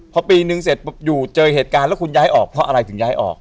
พอปีนึงเสร็จอยู่เจอเหตุการณ์แล้วคุณย้ายออกเพราะอะไรถึงย้ายออก